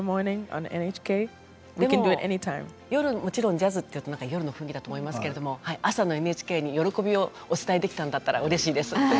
ジャズというと夜の雰囲気だと思いますけれど朝のＮＨＫに喜びをお伝えできたんだったらうれしいです。